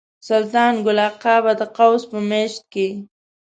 سلطان ګل اکا به د قوس په میاشت کې.